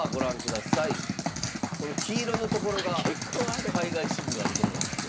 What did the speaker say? この黄色の所が海外支部があるとこなんですよ。